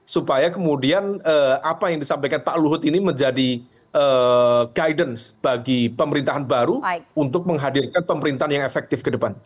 supaya kemudian apa yang disampaikan pak luhut ini menjadi guidance bagi pemerintahan baru untuk menghadirkan pemerintahan yang efektif ke depan